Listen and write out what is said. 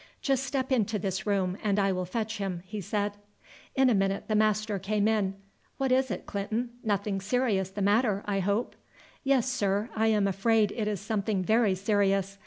"Just step into this room and I will fetch him," he said. In a minute the master came in. "What is it, Clinton, nothing serious the matter, I hope?" "Yes, sir, I am afraid it is something very serious.